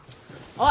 おい！